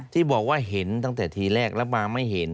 ที่บอกว่าเห็นตั้งแต่ทีแรกแล้วมาไม่เห็น